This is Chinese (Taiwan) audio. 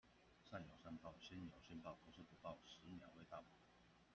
善有善報，星有星爆。不是不報，十秒未到